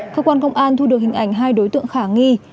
cơ quan công an thu được hình ảnh hai đối tượng khả nghi